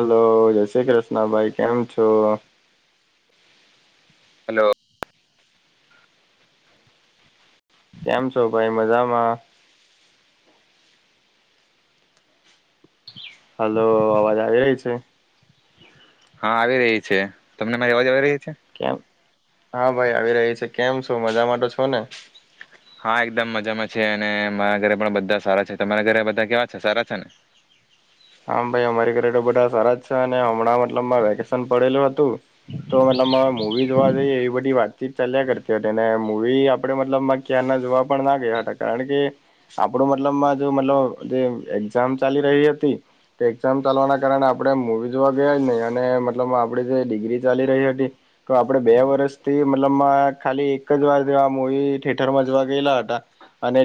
Hello જય શ્રી કૃષ્ણ ભાઈ કેમ છો? હલો. કેમ છો ભાઈ મજામાં? હલોો અવાજ આવી રહી છે. હા આવી રહી છે, તમને મારી અવાજ આવી રહી? છે કેમ? હા ભાઈ આવી રહી છે, કેમ છો મજા માટે છો ને? હા એકદમ મજામાં છે, અને મારા ઘરે પણ બધા સારા છે, તમારા ઘરે બધા કેવા છે સારા છે ને? હમ ભાઈ અમારી ઘરે તો બધા સારા જ છે અને હમણાં મતલબ વેકેશન પડેલું હતું, તો મતલબ મા મુવી જોવા જઈએ એવી બધી વાત. ચાલ્યા કરતી હતી ને મૂવી આપણેે મતલબમાં ક્યાર ના જોવા પણ ના ગયા, હતા કારણ કે આપણું મતલબમાં જો મતલબ જે એક્ઝામ ચાલી રહી હતી. એક્ઝામ ચાલવાના કારણે આપણે મવી જોવા ગયા જ નહી, અને મતલબ આપે જે ડિગ્રી ચાલી રહી હતી તો આપડે બે વર્ષથી મતલબ ખાલી એક જ વાર જે આ મવી થિેટરમાં જવા ગયેલા હતા, અને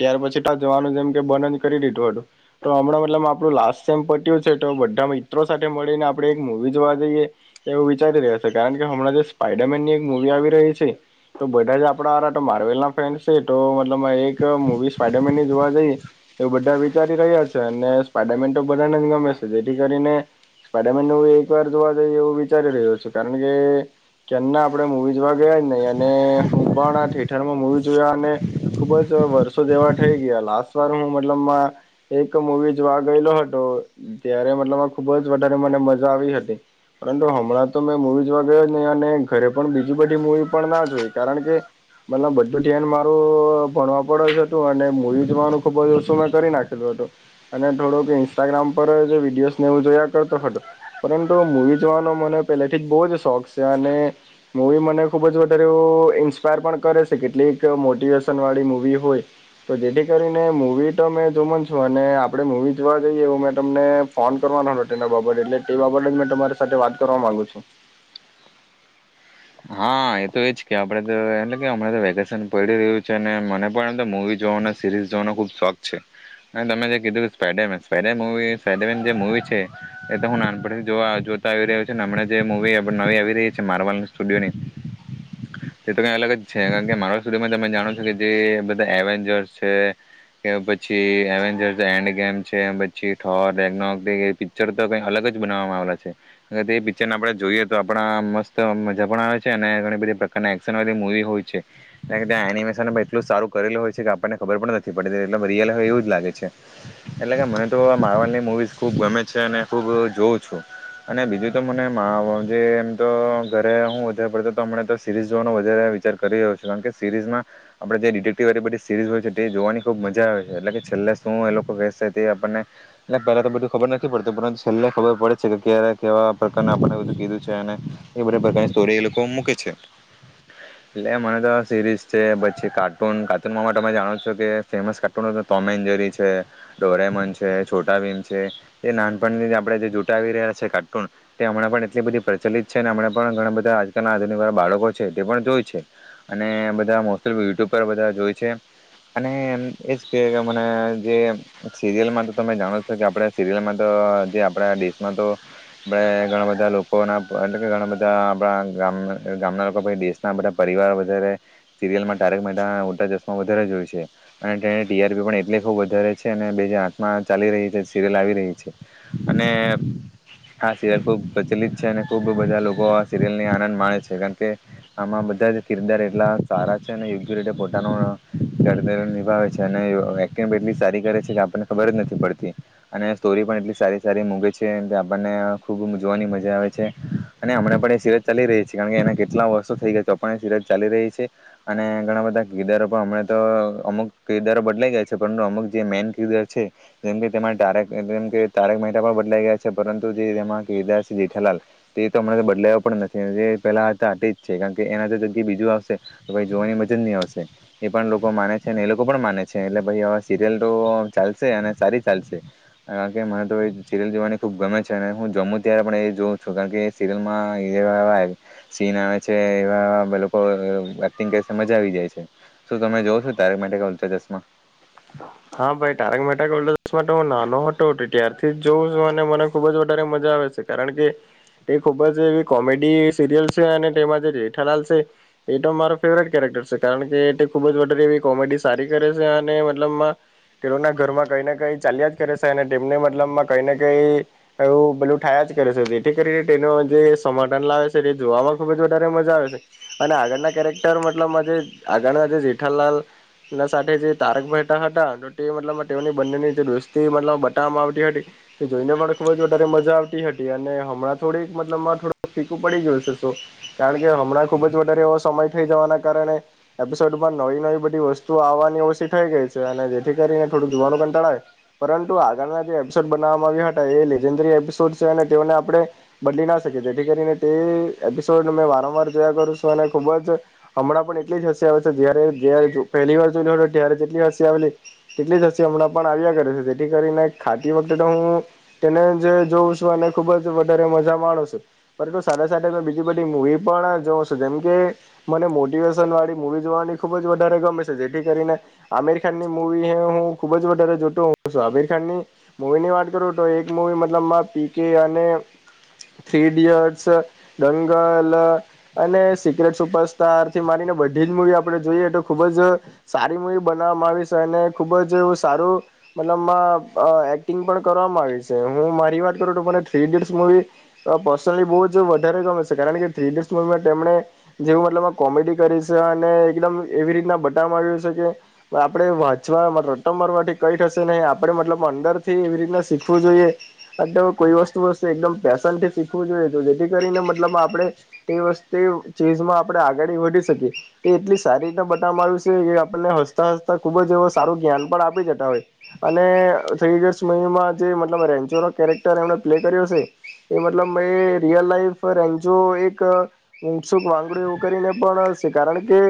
ત્યાર પછી તો જવાનું જેમ કે બન જ કરી દીધું હતું. તો હમણાં મતલબ આપણું લાસ્ટ સેમ પટ્યું છે, તો બધા મિત્રો સાથે મળીને આપણે એક મૂવી જોવા જઈએ એવું વિચારી રહ્યા છે, કારણ કે હમણાં જે સ્પાઈડરમેનની એક મૂવી આવી રહી છે તો બધા જે આપણા તો માર્વેલ ના ફેન્ છે, તો મતલબ એક મૂવી સ્પાઈડરમેન ની જોવા જઈએ એવું બધા વિચારી રહ્યા છે. અને સ્પડામેન તો બધાને જ ગમે છે, જેથી કરીને સ્પાયડામેન ન એક વાર જોવા જઈ એવું વિચારી રહ્યો છું. કારણ કે કેમના આપણે મવી જોવા ગયા જ નહી, અને હું પણ આ થિયેટરમાં મવી જોયા અને ખુબ જ વર્ષો જેવા થઈ ગયા લાસ્ટ વાર હું મતલબ એક મૂવી જોવા ગયેલો હતો ત્યારે મતલબ આ ખુબ જ વધારે મને મજા આવી હતી, પરંતુ હમણાં તો મેં મૂવી જોવા ગયો જ નહી અને ઘરે પણ બીજી બધી મૂવી પણ ના જોઈ કારણ કે મતલબ બધું ્યાન મારું ભણવા પડ જ હતું, અને મૂવી જવાનું ખુબ જ ઓછું મેં કરી નાખ્યું અને થોડોક ઇન્સ્ટાગ્રામ પર જ વિડીયોઝ ને એવું જોયા કરતો હતો પરંતુ મૂવી જોવાનો મને પહેલેથી જ બહુ જ શોખ છે, અને મૂવી મને ખૂબ જ વધારે એવું ઇન્સ્પાયર પણ કરે છે, કેટલીક મોટિવેશન વાળી મૂવી હોય તો જેથી કરીને મૂવી તો મેમે જો. મ અને આપે મુવી જોવા જઈએ એવ મે તમને ફોન કરવાનો હતો તેના બાબ એટલે તે બાબ જ મે તમારી સાથે વાત કરવા ગુ છું. હા એ તો એજ કે આપડે તો એટલે કે હમણા તો વેકેશન પડી રહ્યું છે, અને મને પણ તો મુવી જોવાનો સિરીઝ જોવાનો ખુબ શોખ છે, અને તમે જે કીધું કે સ્પાઈડરમેન સ્પાઈડરવી સ્પડમેન જે મવી છે એ તો હું નાનપણથી જોતા આવી રહ્યું છ છે, મ જે મવી નવી આવી રહી છે માર્બલ તે તો કઈ અલગ જ છે કારણ કે મારા સ્ટુડિયોમાં તમે જાણો છો કે જે બધા એવેન્જર્સ છે, કે પછી એજ એડ ગેમ છે પઠોર પિક્ચર તો ક અલગ જ બનાવવામાં આવેલા છે, તે પિક્ચર આપણે જોઈએ તો આપણા મસ્ત છે અને ઘણી બધી પ્રકાર એક્શન વાળી મુવી હોય છે, એ કે ત્યાં એનિમેશન એટલું સારુંેલું હોય છે કે આપણનેબર પણ નથી પડતી એલ રિયલ હોય એવું જ લાગે છે, એટલે કે મને તો માવલની મુવીઝ ખૂબ ગમે છે અને ખૂબ જોઉં છું અને બીજું તો મને મા જે એમ તો હ વધારેડમ તો સીરીઝ જોવાનો વધારે વિચાર કરી રહ્યો છું કારણ કે સીરીઝમાં આપે જે ડિટેક્ટિવ બધી સીરીઝ હોય છે તે જોવાની ખુબ મજા આવે છે એટલે કે છેલ્લે શું એ લોકો કે તે આપણને પહેલા તો બધું ખબર નથી પડતું પરંતુ છેલ્ ખબર પડે છે કે ક્યારે કેવા પ્રકાર આપને બધું કીધું છે એ છે એટ મને તો સિરીઝ છે પી કાર્ટૂ કાર્ટૂ તમે જાણો છો કે ફેસ કાર્ટજ ડોન છોટા છે નાનપણૂટ રહ્યા છે કાર્ટૂનમણા એટલી બધી પ્રચલિત છે પણ ઘણા બધા આજકાલના આધુનિક વાા બાળકો છે તે પણ જોય છે અને બધા મોસ્ટ યુટ્યુબ પર બધા જોય છે અને એજ કે કે મને જે સીરિયલમાં તો તમે જાણો છો કે આપણા સિરિયલમાં તો જે આપણા દેશમાં તો આપણે ઘણા બધા લોકોના એટલે ઘણા બધા ધ આપણા ગામના લોકો દેશના બધા પરિવાર વધારે સિરિયલમાં તારેક મતા ઉટા ચશ્મા વધારેય છે અને તેને ટીઆરપી પણ એટલે ખૂબ વધારે છે અને બે જે આથમાં ચાલી રહી છે સીરિયલ આવી રહી છે અને આ સિરયલ ખુબ પ્રચલિત છે અને ખૂબ બધા લોકો આ સિરિયલને આનંદ માણે છે કારણ કે આમાં બધા જ કિરદાર એટલા સારા છે અને યોગ્ય રીતે પોતાનો નિભાવે છે અને એક્ટિંગ પણ એટલી સારી કરે છે કે આપણને ખબર જ નથી પડતી અને સ્ટોરી પણ એટલી સારી સારી મૂગે છે આપણને ખૂબ જોવાની મજા આવે છે અને હમણા પણ એ સીરજ ચાલી રહી છે કારણ કે એના કેટલા વર્ષો થઈ ગયા છે પણ સીરજ ચાલી રહી છે અને ઘણા બધા કિરદારો પણ હમણા તો અમુક કિરદારો બદલાઈ ગયા છે પરંતુ અમુક જે મેન કિરદાર છે જેમ કે તેમાં તારક જેમ કે તારક મહેતા પણ બદલાઈ ગયા છે પરંતુ જે તેમાં કિરદાર છે જેઠાલાલ તે તો હમણાં બદલા્યો પણ નથી એ પહેલાં આ હતાટ જ છે કારણ કે એના તો જગ્યાએ બીજું આવશે તો ભાઈ જોવાની મજ જ નહીં આવશે એ પણ લોકો માને છે અને એ લોકો પણ માને છે એટલે ભાઈ આવે સિરિયલ તો ચાલશે અને સારી ચાલશે કારણ કે મને તો સીરિયલ જોવાની ખૂબ ગમે છે અને હું જમ્મુ ત્યારે પણ એ જોઉં છું કારણ કે સીરિયલમાંવા સીન આવે છે એવા લોકો એક્ટિંગ કર મજા આવી જાય છે શું તમે જોવ છો તારક માટે કે ઉલચા ચશ્મા હા ભાઈ તારક મ હ નાનો હતો ત્યારથી જ જોઉં છું અને મને ખુબ જ વધારે મજા આવે છે કારણ કે એ ખુબ જ એવી કોમેડી સિરિયલ છે અને તેમાં જે જેેઠાલાલ છે એ તો મારો ફેવરેટ કેરેક્ટર છે કારણ કે ખુબ જારે એવી કોમેડી સારી કરે છે અને લબ તેઓના ઘરમાં કઈ ને કઈ ચાલ્યા જ કરે છે અને તેમને મતલબમાં કઈ ને કઈ એવું બલું થાયા જ કરે છે જેથી કરીને તેનું જે સધન લાવે છે તે જોવામાં ખૂબ જ વધારે મજા આવે છે અને આગળના કેરેક્ટર મતલબમાં જે આગળના જે જેઠાલાલ ના સાથે જે તારકભાઈ તેઓની બંનેની જે દોસ્તી બટમાં આવતી હતી તે જોઈને પણ ખુબ જ વધારે મજા આવતી હતી અને હમણાં થોડીક મતલબ થોડું ફીકું પડી ગયું છે શ કારણ કે હમણાં ખુબ જ વધારે એવો સમય થઈ જવાના કારણે એપિસોડમાં નવી નવી બધી વસ્તુ આવવાની ઓછી થઈ ગઈ છે ને અને જેથી કરીને થોડું જોવાનું કંટાળો આવે, પરંતુ આગળના જે એપિસોડ બનાવામાં આવ્યા હતા એ લેજેન્ડરી એપિસોડ છે, અને તેઓને આપણે બદલી ના શકીએ, જેથી કરીને તે એપિસોડ મેં વારંવાર જોયા કરું છું, અને ખૂબ જ હમણાં પણ એટલી જ હસી આવે છે જ્યારે [unintelligible] પહેલી વાર [unintelligible] ત્યારે તો જેટલી હસ આવેલી એટલી જ હસી હમણાં પણ આવ્યા કરે છે, જેથી કરીને ખાતી વખતે તો હું તેને જ જોઉં છું અને ખુબ જ વધારે મજા માણું છું, પરંતુ સાથે-સાથે બીજી બધી મુવી પણ જોઉં છું, જેમકે મને મોટિવેશન વાળી મુવી જોવાની ખુબ જ વધારે ગમે છે. જેથી કરીને આમીર ખાનની મુવીને હું ખુબ જ વધારે જોતો હોઉ છું. આમિર ખાન ની મુવી ની વાત કરું તો એક મુવી મતલબમાં પી કે અને થ્રી ઇડિયટ્સ, દંગલ અને સિક્રેટ સુપરસ્ટારથી માંડીને બધી જ મુવી આપણે જોઈએ તો ખુબ જ સારી મુવી બન નાવવામાં આવી છે, અને ખૂબ જ એવું સારું મતલબમાં અહ એક્ટિંગ પણ કરવામાં આવી છે. હું મારી વાત કરું તો મને થ્રી ઇડિયટ્સ મૂવી અહ પર્સનલી બહુ જ વધારે ગમે છે, કારણ કે થ્રી ઇડિયટ્સ મુવીમાં તેમણે જેવું મતલબમાં કોમેડી કરી છે અને એકદમ એવી રીતના બટાવામાં આવ્યું છે કે આપણે વાંચવા મ રટો મારવાથી કઈ થશે નહીં. આપણે મતલબ અંદરથી એવી રીતના શીખવું જોઈએ. આ તો કોઈ વસ્તુ-વસ્તુ એકદમ પેશનથી શીખવું જોઈએ, જો જેથી કરીને મતલબ આપણે એ વસ્તુય ચીઝમાં આપણે આગળ વધી શકીએ. એ એટલી સારી રીતના બતાવવામાં આવી છે કે આપણને હસ હસતા-હસતા ખૂબ જ એવો સારું જ્ઞાન પણ આપી જતા હોય છે. અને [unintelligible] જે મતલબ રેન્જોનો કેરેક્ટર એમણે પ્લે કર્યો છે એ મતલબ એ રિયલ લાઈફ રેન્જો એક ઉત્સુક વાગડું એવું કરીને પણ છે, કારણ કે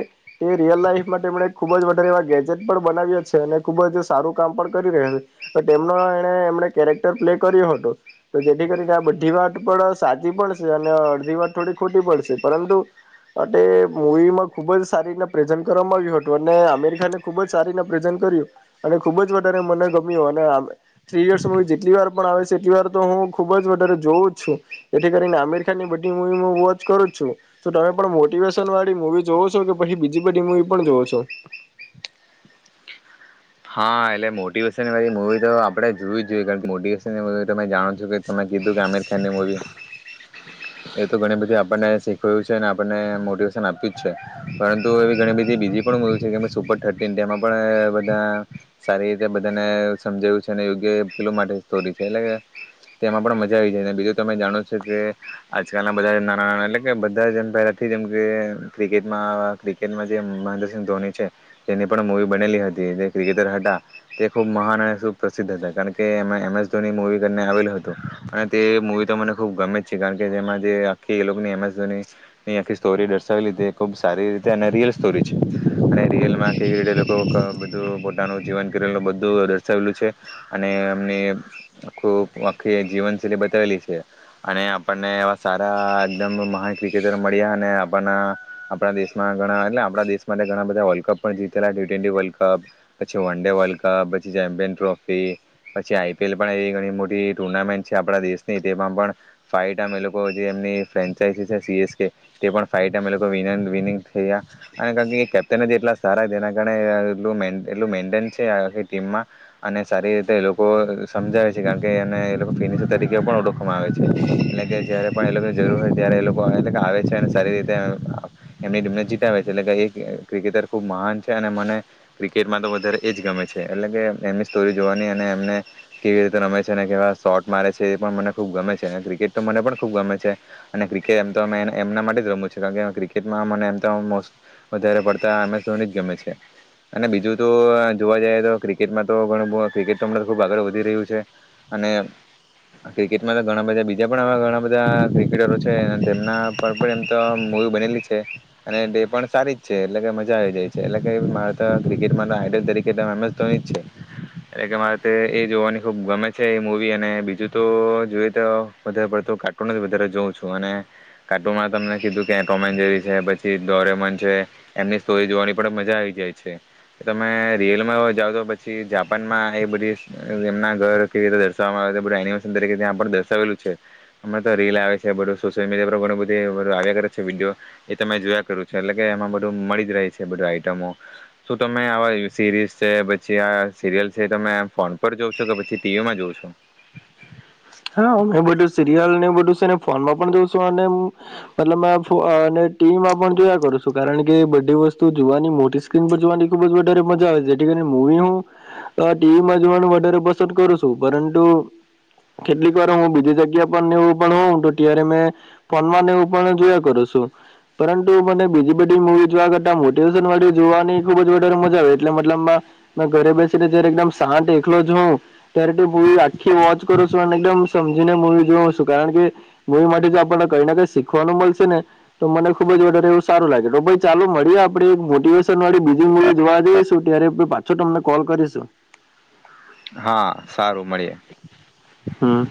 એ રિયલ લાાઈફ માટે એમણે ખૂબ જ વ ધારે એવા ગેજેટ પણ બનાવ્યા છે. અને ખુબ જ સારું કામ પણ કરી રહ્યા છે. પણ તેમનો એને એમણે કેરેક્ટર પ્લે કર્યો હતો, તો જેથી કરીને આ બધી વાત પણ સાચી પડશે અને અડધી વાત થોડી ખોટી પડશે. પરંતુ આ તે મૂવીમાં ખુબ જ સારી રીતના પ્રેઝન્ટ કરવામાં આવ્યું હતું, અને આમી ર ખાન એ ખૂબ જ સારીના પ્રેઝન્ટ કર્યું, અને ખુબ જ વધારે મને ગમ્યું. અને આ થ્રી ઈડીયટ્સ મૂવી જેટલી વાર પણ આવે છે એટલી વાર તો હું ખુબ જ વધારે જોવ જ છું. જેથી કરીને આમીર ખાનની બધી મુવી હું વોચ કરું જ છું. તો તમે પણ મોટિવેશન વાળી મુવી જોવો છો કે પછી બીજી બધી મુવી પણ જોવો છો? હા એટલે મોટિવેશનવાળી મુવી તો આપડે જોવી જ જોઈએ, કારણ કે મોટીવેશન ની [unintelligible] તમે જાણે છે કે તમે કીધું કે આમિર ખાન ની મૂવી એ તો ઘણી બધી આપણને શીખવ્યું છે અને આપણને મોટિવેશન આપ્યું જ છે, પરંતુ એવી ઘણી બધી બીજી પણ મૂવી છે જેમ કે સુપર થર્ટીન તેમાં પણ બધા સારી રીતે બધાને સમજાવ્યું છે અને યોગ્ય પેલું માટે સ્ટોરી છે એટલે કે તેમાં પણ મજા આવી જાય. ને બીજું તમે જાણો છો કે આજકાલના બધા નાના-નાના એટલે કે બધા જ પહેલાથી જેમ કે ક્રિકેટમાં-ક્રિકેટમાં જે મહેન્દ્રસિંહ ધોની છે તેની પણ મુવી બનેલી હતી જે ક્રિકેટર હતા, તે ખૂબ મહાન અને ખૂબ પ્રસિદ્ધ હતા. કારણ કે એમાં એમ એસ ધોની મૂવી [unintelligible] આવેલું હતું અને તે મૂવી તો મને ખૂબ ગમે જ છે, કારણ કે જેમાં જે આખી એ લોકની એમ એસ ધોનીની આખી સ્ટોરી દર્શાવેલી હતી એ ખૂબ સારી રીતે અને રિયલ સ્ટોરી છે. અને રિયલમાં કેવી રીતે એ લોકો [inaudible] અહ પોતાનું જીવન કરેલું બધું દર્શાવેલું છે. અને એમને આખું આખી જીવનશૈલી બતાવેલી છે, અને આપણને એવા સારા એકદમ મહાન ક્રિકેટર મળ્યા અને આપના આપણા દેશમાં ઘણા એટલે આપણા દેશ માટે ઘણા બધા વલ્ડ્ કપ પણ જીતેલા છે. ટી ટી વલ્ડ કપ પછી વન ડે વર્લ્ડ કપ, પછી ચેમ્પિયન ટ્રોફી, પછી આઈ પી એલ પણ એ ઘણી મોટી ટુર્નામેન્ટ છે આપણા દેશની, તેમાં પણ ફાઈવ ટાઈમ ઈ લોકો જે એમની ફ્રેન્ચાઈઝી છે સી એસ કે તે પણ ફાઈવ ટાઈમ એ લોકો વિનર વિનિંગ થયા, અને [unintelligible] કેપ્ટન જ એટલા સારા છે એના કારણે [unintelligible] એટલું મેન્ટન છે આખી ટીમમાં, અને સારી રીતે એ લોકો સમજાવે છે કારણ કે એને એ લોકો ફિનિશર તરીકે પણ ઓળખવામાં આવે છે. એટલે કે જયારે પણ એ લોકોએ જરૂર હોય ત્યારે એ લોકો [unintelligible] આવે છે અને સારી રીતે અહ એમની ટીમને જીતાવે છે, એટલે કે એ ક્રિકેટર ખુબ મહાન છે. અને મને ક્રિ ક્રિકેટમાં તો વધારે એજ ગમે છે. એટલે કે એમની સ્ટોરી જોવાની, અને એમને કેવી રીતે રમે છે, અને કેવા શોર્ટ મારે છે એ પણ મને ખૂબ ગમે છે. અને ક્રિકેટ તો મને પણ ખુબ ગમે છે, અને ક્રિકે એમ તો અમે એમના માટે જ રમું છે કારણ કે આમાં ક્રિકેટમાં મને એમ તો મોસ વધારે પડતા એમ એસ ધોની જ ગમે છે. અને બીજું તો જોવા જઈએ તો ક્રિકેટમાં તો ઘણું [unintelligible] ક્રિકેટ તો હમણાં ખૂબ આગળ વધી રહ્યું છે. અને ક્રિકેટમાં તો ઘણા બધા બીજા પણ આવા ઘણા બધા ક્રિકેટરો છે, તેમના પર પણ એમ તો મૂવી બનેલી છે અને તે પણ સારી જ છે એટલે કે મજા આવી જાય છે, એટલે કે મા [unintelligible] ક્રિક્રેટમા તો આઈડલ તરીકે તો એમ એસ ધોની જ છે, એટલે કે મારે તે એ જોવાની ખુબ ગમે છે એ મુવી. અને બીજું તો જોઈએ તો વધારે પડતું કાર્ટૂન જ વધારે જોઉં છું અને કાર્ટૂનમાં તમે કીધું કે આ ટોમ એન્ડ જેરી છે, પછી દોરેમોન છે, એમની સ્ટોરી જોવાની પણ મજા આવી જાય. છે. તમે રીલમાં [unintelligible] જાવ તો પછી જાપાનમાં એ બધી એમના ઘર કેવી રીતે દર્શાવવામાં આવે છે, બધા એનિમેશન તરીકે ત્યાં પણ દર્શાવેલું છે. હમણાં તો રીલ આવે છે બધું સોશિયલ મીડિયા પર [unintelligible] ઘણું બધું આવ્યા કરે છે વિડીયો એ તમે જોયા કરું છે એટલે કે એમાં બધું મળી જ રહે છે બધું આઈટમ. શું તમે આવા સિરીઝ છે, પછી આ સીરિયલ છે તમે આ ફોન પર જોવ છો કે પછી ટીવીમાં જોવ છો? હા હું બધું સીરિયલને એવું બધું છેને ફોનમાં પણ જોઉ શું અને મતલબમાં ફ અહ અને ટીવીમાં પણ જોયા કરું સું કારણ કે બધી વસ્તુ જોવાની મોટી સ્ક્રીન પર જોવાની ખુબ જ વધારે મજા આવે, જેથી કરીને મૂવી હું અહ ટીવીમાં જોવાનું વધારે પસંદ કરું સું. પરંતુ કેટલીક વાર હું બીજી જગ્યા પણ ને એવું પણ હોઉં તો ત્યારે મેં ફોનમાં ને એવું પણ જોયા કરું છું. પરંતુ મને બીજી બધી મૂવી જોવા કરતા મોટિવેશન વાલી જોવાની ખુબ જ વધારે મજા, આવે એટલે મતલબ મા મા મે ઘરે બેસીને જયારે એકદમ શાંત એકલો જ હોઉં ત્યારે તે મૂવી આખી વોચ કરો સું. [unintelligible] એકદમ સમજીને મૂવી જોવું સું, કારણ કે મુવી માટે જો આપણને કઈ ને કઈ શીખવાનું મળશે ને તો મને ખુબ વધારે એવું સારું લાગે, તો પણ ચાલુ મળીએ આપણે એક મોટીવેશન વાળી બીજી મુવી જોવા જઈશું, ત્યારે [unintelligible] પાછો તમને કોલ કરીશું. હા સારું મળીએ. હમ્મ.